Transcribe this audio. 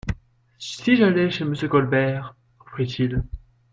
Si j'allais chez Monsieur Colbert ? reprit-il.